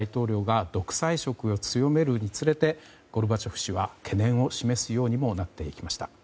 しかし、このプーチン大統領が独裁色を強めるにつれてゴルバチョフ氏は懸念を示すようにもなっていきました。